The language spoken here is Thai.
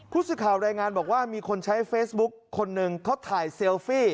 ผู้สื่อข่าวรายงานบอกว่ามีคนใช้เฟซบุ๊คคนหนึ่งเขาถ่ายเซลฟี่